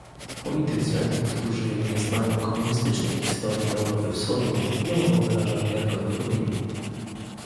Politycy, którzy nie znają komunistycznej historii Europy wschodniej nie mogą wyrażać wiarygodnych opinii